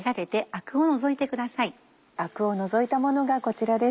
アクを除いたものがこちらです。